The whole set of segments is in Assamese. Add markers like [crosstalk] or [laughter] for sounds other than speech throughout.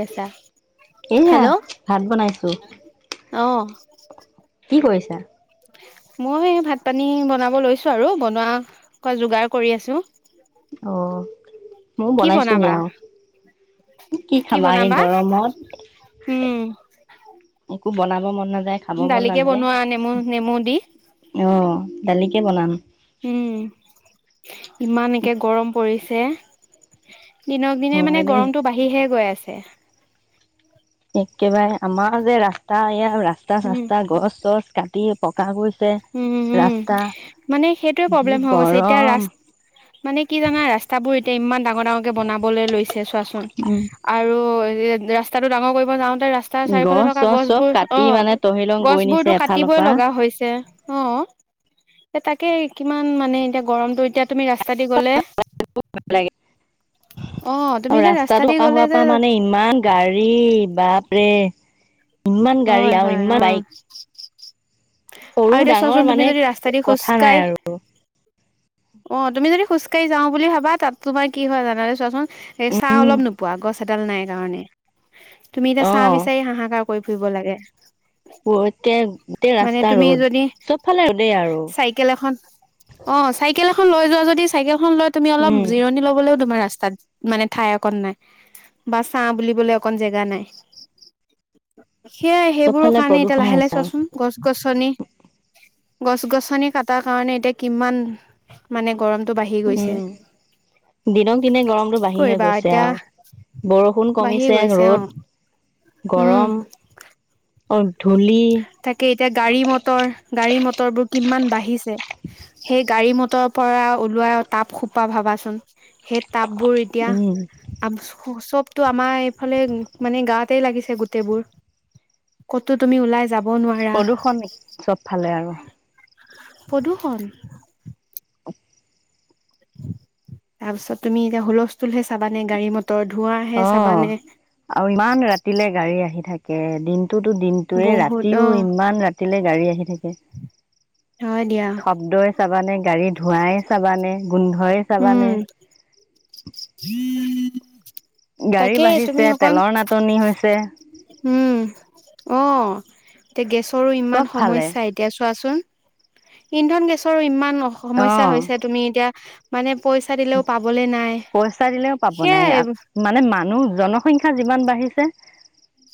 আছা এয়া হেল্ল' ভাত বনাইছোঁ। অ'। কি কৈছা? মই এই ভাত-পানী বনাব লৈছোঁ, আৰু বনোৱা-কোৱা যোগাৰ কৰি আছোঁ। মইও বনাইছোঁহি বনাবা অ, এই কি খাবা এই গৰমত। উম বনাম ব মন নাযায় খাব মন দালিকে নাযায় বনোৱা নেমু নেমু দি অ' দালিকে বনাম। উম ইমানকে গৰম পৰিছে দিনক দিনে হয় মানে দেই গৰমটো বাঢ়িহে গৈ আছে [unintelligible] একেবাৰে আমাৰ যে ৰাস্তা এয়া ৰাস্তা উম চাস্তা গছ চছ কাটি পকা গৈ উম', -উম', মানে সেইটোয়ে যি প্ৰ'ব্লেম হৈ গৈছে এতিয়া গৰম ৰাচ-মানে কি জানা ৰাস্তাবোৰ এ [unintelligible] ডাঙৰ-ডাঙৰকে বনাবলৈ লৈছে, চোৱাচোন উম আৰু এ ', ৰাস্তাটো ডাঙৰ কৰিব যাওঁ তে, ৰাস্তাৰ চাৰিওফালে গছ থকা চছ চব গছবোৰ কাটি অ', মানে তহিলং কৰি নিছে -গছবোৰতো এফালৰ কাটিবই পৰা লগা হৈছে। অ', এ', তাকে কিমান মানে এতিয়া গৰমটো এতিয়া তুমি ৰাস্তা দি গ'লে অ তুমি আৰু এতিয়া ৰাস্তা দি পকা গ'লে হোৱাৰ যে পৰা মানে ইমান গাড়ী বাপৰে ইমান-গাড়ী হয় আৰু হয় অ ইমান -বাইক আৰু এতিয়া চোৱাচোন সৰু-ডাঙৰ তুমি মানে যদি ৰাস্তা দি কথা নাই খোজকাঢ়ি আৰু অ', তুমি যদি খোজকাঢ়ি -যাওঁ বুলি ভাবা তাত তোমাৰ কি হয় ', জানানে চোৱাচোন এ ছাঁ উম অলপ নোপোৱা গছ। এডাল নাই কাৰণে। তুমি এতিয়া ছাঁ বিচাৰি হাঁহাকাৰ কৰিব ফুৰিব লাগে। প্ৰত্যেক, গোটেই মানে ৰাস্তা তুমি ৰ'দ। যদি সব ফালে ৰ'দেই আৰু চাইকেল এখন অ চাইকেল এখন লৈ যাও যদি, চাইকেল। লৈ তুমি অলপ উম জিৰণি ল'বলৈও তোমাৰ ৰাস্তাত মানে ঠাই অকণ নাই। বা ছাঁ বুলিবলৈ অকণ জেগা নাই। সেয়াই সেইবোৰৰ চবফালে কাৰণে এতিয়া প্ৰদূষণে লাহে লাহে হৈছে আৰু চোৱাচোন গছ-গছনি। গছ-গছনি কটাৰ কাৰণে এতিয়া কিমান মানে গৰম উম দিনক দিনে গৰমটো কি বাঢ়িহে কৰিবা গৈছে এতিয়া আৰু বৰষুণ বাঢ়ি কমিছে, গৈছে অ ৰ'দ গৰম [unintelligible] তাকেই এতিয়া গাড়ী-মটৰ, গাড়ী মট মটৰ বোৰ কিমান বাঢ়িছে, সেই গাড়ী-মটৰৰ পৰা ওলোৱা তাপ খোপা ভাবাচোন সেই তাপবোৰ এতিয়া উম [unintelligible] চব টো আমাৰ এইফালে মানে গাতেই লাগিছে গোটেইবোৰ, ক'তো তুমি ওলাই যাব নোৱাৰা প্ৰদূষণ চব ফালে আৰু প্ৰদূষণ। [unintelligible] তাৰপিছত তুমি এতিয়া হুলস্থূল হে চাবা নে, গাড়ী-মট অ' আৰু ইমান ৰাতিলে গাড়ী আহি থাক কেইদিন টোতু দিনটোয়ে বহুত ৰাতিও অ ইমান ৰাতি দিলে গাড়ী আহি থাকে। হয় দিয়া শব্দই চাবানে গাড়ী ধোঁৱাই চাবানে গোন্ধই উম চাবানে। গাড়ী তাকে তুমি বাঢ়িছে, অকণ তেলৰ নাটনি হৈছে। উম অ' কে গেছ তোৰও ইমান চব ফালে সমস্যা এতিয়া চোৱাচোন। ইন্ধন গেছৰো ইমান অ সমস্যা হৈছে তুমি এতিয়া মানে পইচা দিলেও পাবলে নাই পইচা দিলেওঁ পাব নাই, সেয়াই মানে মানুহ জনসংখ্যা যিমান বাঢ়িছে।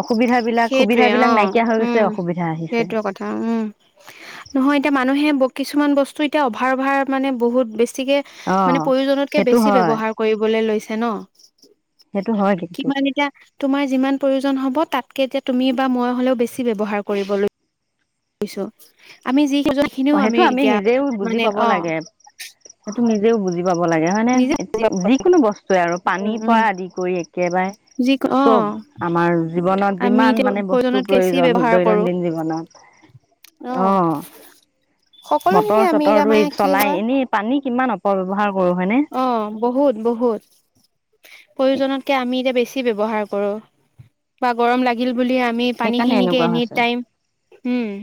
অসুবিধা বিলাক সুবিধা সেইটোৱে বিলাক অ' নাইকিয়া হৈ গৈছে উম, অসুবিধা আহিছে সেইটোৱে কথা উম, নহয় এতিয়া মানুহে কিছুমান বস্তু এতিয়া অভাৰ অভাৰ মানে বহুত বেছি বেছিকে অ মানে, প্ৰয়োজনতকে সেইটো বেছি হয় ব্যৱহাৰ কৰিবলৈ লৈছে। [unintelligible] সেইটো হয় কিন্তু কিমান এতিয়া তোমাৰ যিমান প্ৰয়োজন হ'ব তাত কে এতিয়া তুমি বা মই হ'লেও বেছি ব্যৱহাৰ কৰিবলৈ লৈছোঁ, আমি যি সেইখিনিও অঁ' সেইটো আমি এতিয়া নিজেও বুজি মানে পাব অ লাগে, সেইটো নিজেও বুজি পাব লাগে হয় নে, নিজে যিকোনো বস্তুৱে আৰু উম পানীৰ উম পৰা আদি কৰি কেবাৰে, যি অ চব, আমাৰ জীৱনত আমি যিমান এতিয়া মানে বস্তু প্ৰয়োজনতকে বেছি প্ৰয়োজন ব্যৱহাৰ কৰো দৈনন্দিন জীৱনত অ [inaudible] অঁ'। সকলো খিনি মটৰ আমি চটৰ এতিয়া ধৰি মানে চলাই এনেই পানী কিমান অপব্যৱহাৰ কৰো হয়নে অঁ', বহুত বহুত। প্ৰয়োজনতকে আমি বেছি ব্যৱহাৰ কৰোঁ, বা গৰম লাগিল বুলি আমি সেইকাৰণে পানীখিনিকে এনেকুৱা এনি হৈছে টাইম, উম। [inaudible]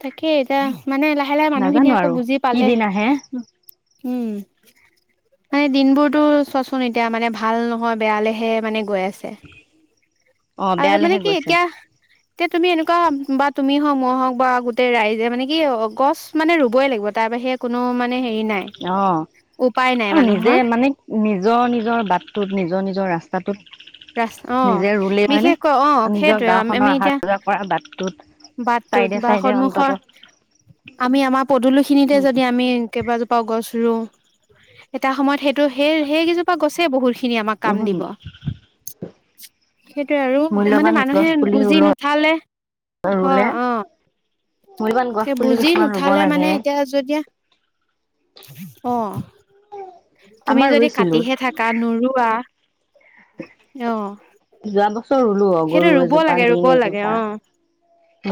তাকেই টা মানে লাহে - লাহে নাজানো মানুহখিনিয়ে আকৌ আৰু বুজি কি দিন পালেহে, আহে উম। মানে দিনবোৰতো চোৱাচোন, এতিয়া মানে ভাল নহয় বেয়ালেহে মানে গৈ আ ছে, অ আৰু মানে বেয়ালেহে কি গৈছে এতিয়া, এতিয়া তুমি এনেকুৱা বাট তুমি হম মই হওক বা গোটেই ৰাইজে মানে কি, অ' গছ মানে ৰুবই লাগিব তাৰ বাহিৰে কোনো মানে হেৰি নাই অ', উপায় নাই অ' নিজে মানুহৰ মানে নিজৰ- নিজৰ বাটটোত নিজৰ - নিজৰ ৰাচ ৰাচ অ [inaudible] নিজে ৰুলেই হয়নে? বিশেষকৈ অ নিজৰ সেইটোৱে গাওঁ আমি খনৰ অহা এতিয়া যোৱা কৰা বাটটোত বাটটোত চাইডে বা চাইডে অন্তত সন্মুখৰ, আমি আমাৰ পদুলিখিনিতে যদি আমি কেইবাজোপা গছ ৰোঁ, এটা সময়ত সেই তো সেই-সেইকেইজোপা গছেই বহুতখিনি আমাক কাম উম দিব। [inaudible] সেইটোয়ে আৰু, মানে মূল্যবান মানুহে গছ পুলি বুজি ৰুল নুঠালে ৰুলে হয় অ', মূল্যবান গছ ঠে পুলি বুজি কিছুমান ৰুব নুঠালে মানে লাগে এতিয়া যেতিয়া অ' তুমি আমাৰ যদি ৰুইছিলো কাটিহে থাকা, নোৰোৱা অ'। যোৱা বছৰ ৰুলো অ গৰু সেইটো ৰুব এজোপা নিম লাগে-ৰুব লাগে এজোপা অ',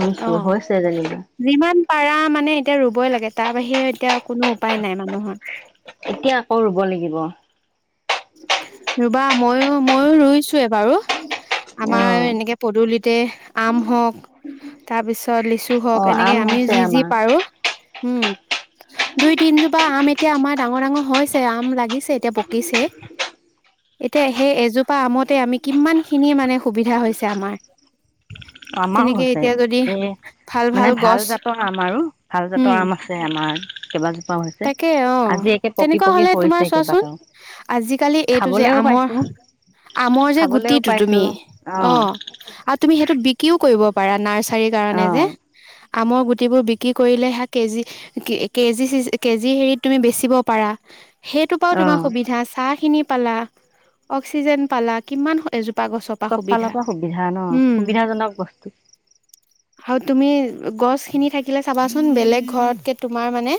ৰুইছো হৈছে অ', যেনিবা যিমান পাৰা মানে এতিয়া ৰুবই লাগে, তাৰ বাহিৰে এতিয়া কোনো উপায় নাই মানুহৰ। এতিয়া আকৌ ৰুব লাগিব। ৰুবা মইও-মইও ৰুইছোৱে বাৰু। আমাৰ এনেকে পদূলিতে, আম হওঁক তাৰ পিছত ত লিচু অ হওঁক, আম এনেকে আমি হৈছে যি যি আমাৰ পাৰোঁ। উম, দুই-তিনজোপা আম এতিয়া আমাৰ ডাঙৰ ডাঙৰ হৈছে। আম লাগিছে এতিয়া পকিছে। এতিয়া সেই এজোপা আমতে আমি কিমান খিনি মানে সুবিধা হৈছে আমাৰ। আমাৰো তেনেকে হৈছে এতিয়া যদি এই ভাল মানে ভাল গছ জাতৰ আম আৰু ভাল জাতৰ উম আম আছে আমাৰ, কেইবাজোপাও হৈছে। তাকে অ আজি একে পকি তেনেকুৱা পকি হলে তোমাৰ সৰিছে চোৱাচোন কেইবাটাও। আজিকালি এইটো যে খাবলৈও আমৰ, পাইছো আমৰ যে খাবলৈও গুটিটো পাইছো তুমি অ অহ, আৰু তুমি সেইটো বিক্ৰীও কৰিব পাৰা নাৰ্চ চাৰি অ কাৰণে যে, আমৰ গুটিবোৰ বিক্ৰী কৰিলে হে কেজি কে কেজি কেজি হেৰিত তুমি বেচিব পাৰা। সেইটোৰ পৰাও অ তোমাৰ সুবিধা চা নি পালা অক্সিজেন পালা কিমান এজো চব ফালৰ পৰা সুবিধা, ন? সুবিধাজনক বস্তু। আৰু তুমি গছখিনি থাকিলে চাবাচোন, বেলেগ ঘৰতকে তোমাৰ মানে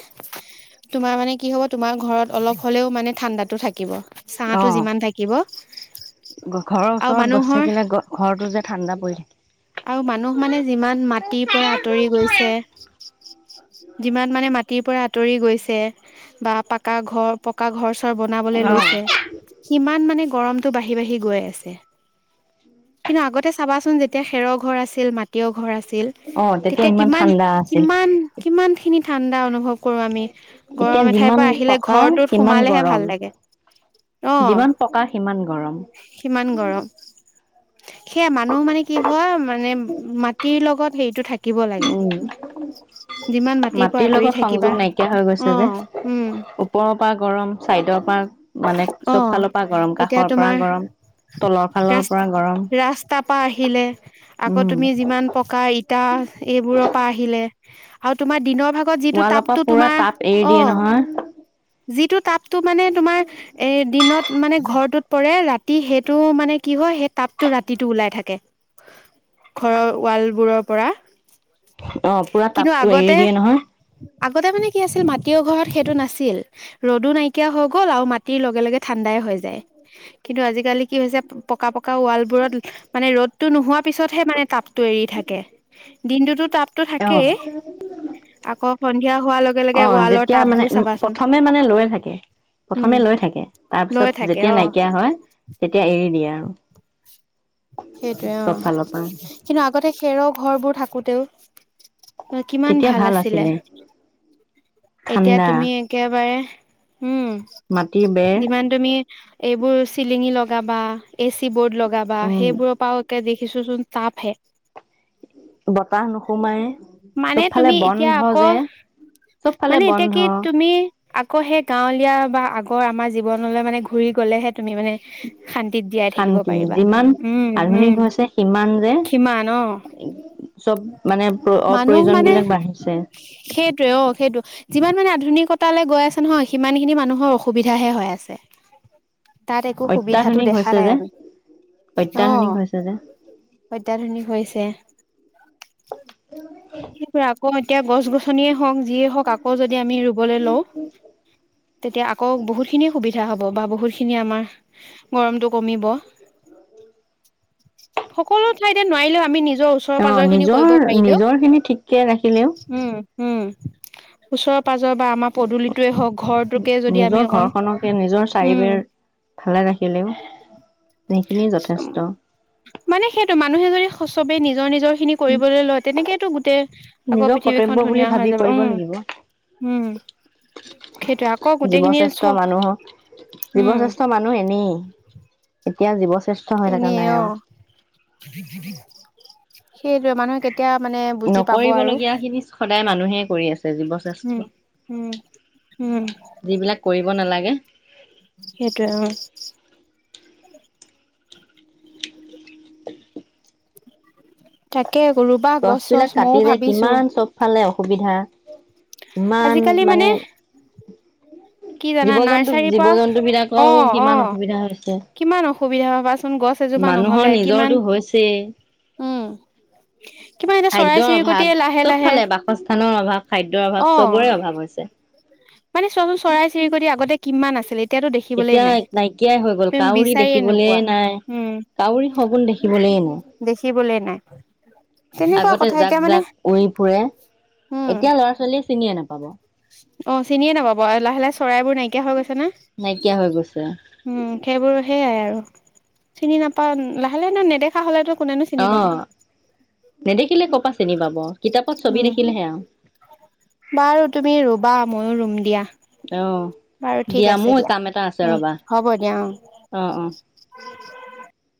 তোমাৰ মানে কি হ'ব তোমাৰ ঘৰত অলপ হ'লেও মানে ঠাণ্ডাটো থাকিব। ছাহটো অহ, যিমান থাকিব ঘৰৰ আৰু ওচৰত গছ মানুহৰ থাকিলে ঘৰতো যে ঠাণ্ডা পৰি আৰু মানুহ মানে থাকে। যিমান মাটিৰ পৰা আত তৰি গৈছে। যিমান মানে মাটিৰ পৰা আঁতৰি গৈছে, বা পাকা ঘৰ পকা ঘৰ চ ত বনাবলৈ লৈছে। সিমান মানে গৰমতটো বাঢ়ি বাঢ়ি গৈ আছে। কিন্তু আগতে চাবাচোন, যেতিয়া খেৰৰ ঘৰ আছিল, মাটিৰ ঘৰ আছিল অ চিল তেতিয়া ইমান কিমান ঠাণ্ডা আছিল কিমান কিমান খিনি। ঠাণ্ডা অনুভৱ কৰো আমি, এতিয়া গৰম এঠাইৰ যিমান পৰা আহিলে পকা ঘৰটোত সিমান সোমালেহে গৰম ভাল লাগে। অ যিমান পকা সিমান গৰম। সিমান গৰম সেয়া মানুহ মানে কি হয়, মানে মাটিৰ লগত গত হেৰিটো থা উম, যিমান পৰা মাটিৰ আঁতৰি লগত থাকিবা সংযোগ নাইকিয়া হৈ গৈছে অ যে, উম ওপৰৰ পৰা গৰম, চাইডৰ পৰা মানে অ চব ফালৰ পৰা গৰম, এতিয়া কাষৰ পৰা তোমাৰ গৰম, তলৰ ফালৰ পৰা গৰম। পা আহিলে আকৌ উম তুমি যিমান পকা ইটা এইবোৰৰ পৰা আহিলে আও তোমাৰ দিনৰ ভাগত যিটো ৱালৰ পৰা তাপটো পুৰা তোমাৰ, তাপ এৰি অ, দিয়ে নহয় যিটো তাপটো মানে তোমাৰ এই দিনত মানে ঘৰটোত পৰে, ৰাতি সেইটো মানে কি হয়, সেই তাপটো ৰাতিটো ওলাই থাকে, ঘৰৰ ৱালবোৰৰপৰা অ, পুৰা তাপটো এৰি দিয়ে নহয় আগতে মানে কি আছিল, মাটিয়ৰ ঘৰত সেইটো নাছিল। ৰ'দো নাইকিয়া হৈ গ'ল আৰু মাট টি লগে লগে ঠাণ্ডাই হৈ যায়। কিন্তু আজিকালি কি হৈছে পকা পক কা ৱালবোৰত মানে ৰ'দ টো নোহোৱা পিছতহে মানে তাপটো এৰি থাকে দিনটোতো তাপ অ সন্ধিয়া হোৱাৰ লগে অ লগে ৱালৰ যেতিয়া মানে টাপবোৰ চাবাচোন প্ৰথমে মানে লৈ থাকে উম প্ৰথমে লৈ থাকে তাৰপিছত লৈ থাকে যেতিয়া অ নাইকিয়া হয় তেতিয়া এৰি দিয়ে আ। সেইটোৱে চব অ' ফালৰ পৰা কিন্তু আগতে খেৰৰ ঘৰবোৰ থাকোঁতেও এ কিমান ভাল আছিলে। এতিয়া ঠাণ্ডা তুমি একে বাৰে উম মাটিৰ বেৰ যিমান তুমি এইবোৰ চিলিঙ লগাবা, এচিবৰ্ড লগ লগাবা উম সেইবোৰৰ পৰা একে বি কিছুচোন তাপ হে। বতাহ নোসোমাই মানে চব ফালে তুমি এতিয়া বন্ধ আকৌ যে, চৱ মানে এতিয়া কি তুমি আকৌ সেই গাঁৱলীয়া বা আগৰ আমাৰ জীৱনলৈ মানে ঘুৰি গ'লেহে। তুমি মানে শান্তিত জীয়াই থাকিব শান্তি পাৰিবা যিমান উম উম আধুনিক হৈছে সিমান যে সীমান অ' চব মানে মানুহ অপ্ৰয়োজন মানে বিলাক বাঢ়িছে সেইটোৱে অ' সেইটো যিমান মানে। আধুনিক কতালৈ গৈ আছে নহয় সিমান খিনি মানুহৰ অসুবিধাহে হৈ আছে। তাত একো সুবিধাটো অত্যাধুনিক দেখা হৈছে নাই যে আমি অত্যাধুনিক অ' হৈছে যে অত্যাধুনিক হৈছে। [unintelligible] [unintelligible] আকৌ এতিয়া গছ-গছনিয়ে হওঁক যিয়েই হওঁক আকৌ যদি আমি ৰুৱলৈ লওঁ তেতিয়া আকৌ বহুতখিনি সুবিধা হ'ব বা বহুতখিনি আমাৰ গৰমটো কমিব। [inaudible] সকলো ঠাইতে নোৱাৰিলেও আমি নিজৰ। নিজৰ ওচৰ-পাজৰ খিনি কৰিব পাৰিলেও। ঘৰখিনি ঠিক ৰাখিলেও। উম উম ওচৰত। পাজপা আমাৰ পদুলিটোৱে হ'ক ঘৰটোকে যদি আমি নিজৰ অকন, ঘৰখনকে নিজৰ উম চাৰিবেৰ ভালে ৰাখিলেও সেইখিনি যথেষ্ট মানে সেইটো মানুহে যদি চবে নিজৰ নিজৰ ় খিনি কৰিবলৈ লয়। তেনেকেটো গোটেই আকৌ নিজৰ কৰ্তব্য পৃথিৱীখন বুলি ধুনীয়া হৈ ভাবি যাব। কৰিব উম লাগিব উম সেইটোৱে আকৌ গোটেইখিনি চ জীৱশ্ৰেষ্ঠ মানুহ উম জীৱশ্ৰেষ্ঠ মানুহ এনেই এতিয়া জীৱ শ্ৰে এনে অ'। সেইটোৱে মানুহে কে নকৰিব লগীয়া খিনি সদায় মানুহে কৰি আছে। জীৱ উম শ্ৰেষ্ঠ উম উম যিবিলাক কৰিব নালাগে। সেইটোয়ে অ তাক গছ বিলাক কাটি যে কিমান চব ফালে অ সুবিধা ইমান মানে কি জানা জীৱ-জন্তু, নাৰ্চাৰীৰ পৰা জীৱ-জন্তু বিলাকৰো অ', কিমান অ', অসুবিধা হৈছে। কিমান অসুবিধা ভাবাচোন গছ এজোপা মানুহৰ নহ'লে নিজৰ কিমান টো হৈছে উম, কিমান এতিয়া চৰাই খাদ্য অভাৱ চিৰিকটিয়ে লাহে চব লাহে ফালে বাসস্থানৰ অভাৱ খাদ্য অভাৱ অ', চবৰে অভাৱ হৈছে। মানে চোৱাচোন চৰাই চিৰি কতি আগতে কিমান আছিলে। এতিয়াতো দেখিবলে এতিয়া নাই। নাইকিয়াই হৈ গল তুমি কাউৰী বিচাৰিয়ে দেখিবলৈ নোপোৱা নাই। উম, কাউৰী শগুণ দেখিবলৈ নাই। দেখিবলে নাই তেনেকুৱা আগতে কথা এতিয়া মানে জাক-জাক উৰি ফুৰে উম, এতিয়া ল'ৰা ছোৱালীয়ে চিনিয়ে না পাব। অ' চিনিয়ে নাপাব আৰু লাহে লাহে চৰাই বোৰ নাইকিয়া হৈ গৈছে। ন নাইকিয়া হৈ গৈছে উম সেইবোৰ সেইয়া আৰু চিনি নাপাও লাহে লাহে নেদেখা হ'লেতো কোনেনো চিনি পাব অ' নেদেখিলে ক' পা চিনি পাব। কিতাপত ছবি উম। দেখিলেহে আৰু বাৰু তুমি ৰোবা। মইও ৰুম দিয়া। বাৰু অ' ঠিক দিয়া আছে মোৰ কাম এটা আছে উম, ৰ'বা হ'ব দিয়া অ'। অঁ অঁ। [unintelligible]